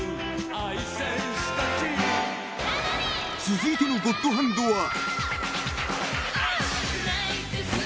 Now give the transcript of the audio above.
［続いてのゴッドハンドは］